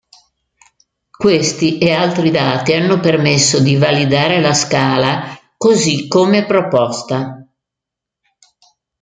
Questi e altri dati hanno permesso di validare la scala così come proposta.